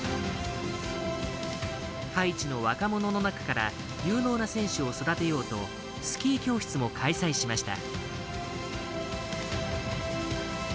ハイチの若者の中から有能な選手を育てようとスキー教室も開催しました。